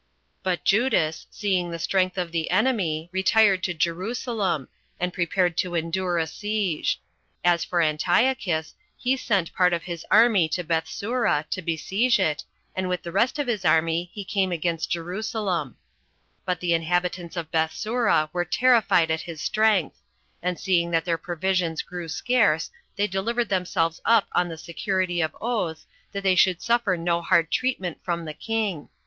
5. But Judas, seeing the strength of the enemy, retired to Jerusalem, and prepared to endure a siege. As for Antiochus, he sent part of his army to Bethsura, to besiege it, and with the rest of his army he came against Jerusalem; but the inhabitants of Bethsura were terrified at his strength; and seeing that their provisions grew scarce, they delivered themselves up on the security of oaths that they should suffer no hard treatment from the king.